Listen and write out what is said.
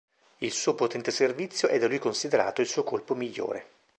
Il suo potente servizio è da lui considerato il suo colpo migliore.